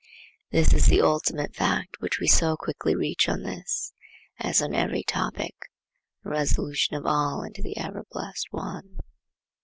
This is the ultimate fact which we so quickly reach on this, as on every topic, the resolution of all into the ever blessed ONE.